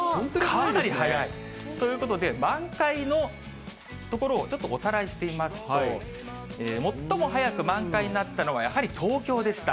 かなり早い。ということで、満開の所をちょっとおさらいしてみますと、最も早く満開になったのはやはり東京でした。